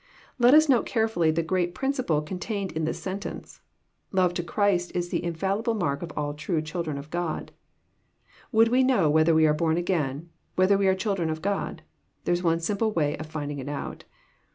Let ns note carefhlly the great principle contained in this sentence. Love to Christ is the infallible mark of all true chil dren of God. Would we know whether we are born again, whether we are children of God? There is one simple way of finding it out.